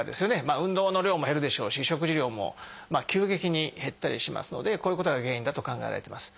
運動の量も減るでしょうし食事量も急激に減ったりしますのでこういうことが原因だと考えられてます。